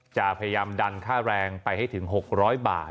จะพยายามดันค่าแรงไปให้ถึง๖๐๐บาท